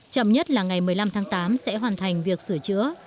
chậm nhất là ngày một mươi năm tháng tám sẽ hoàn thành việc sửa chữa